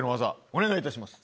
お願いします！